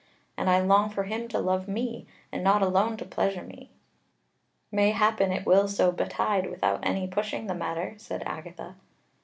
And I long for him to love me, and not alone to pleasure me." "Mayhappen it will so betide without any pushing the matter," said Agatha.